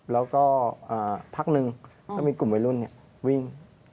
แล้วก็พักหนึ่งก็มีกลุ่มวัยรุ่นวิ่ง